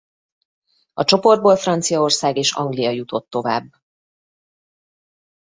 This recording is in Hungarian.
A csoportból Franciaország és Anglia jutott tovább.